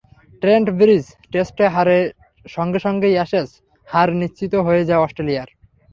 Trent Bridge টেস্টে হারের সঙ্গে সঙ্গে অ্যাশেজ হারও নিশ্চিত হয়ে যায় অস্ট্রেলিয়ার।